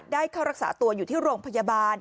ได้เข้ารักษาตัวอยู่ที่โรงพยาบาล